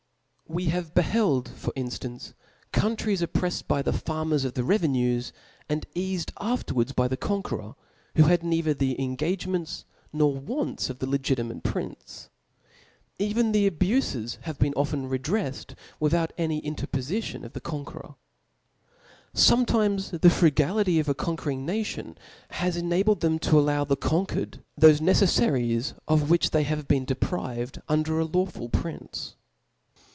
We have beheld, for inftance, countries op prcffed by the farmera of the revenues, and eafc4 after ' ?|fterwards by the concjueror, who had pe|ther the IJ o o^ cngagemcdts nojr Want? of ihe "legitimate prince, c^^\^ fevch die abufes have been often rcdrefled without:^ ^'' any interpofition of the conqueror, ' Sometimes the frugality of a conquering nation has enabled t^^iem to allow the conquered thoie ne ccflaries, of Which they had been 'deprived undej: a lawful prince.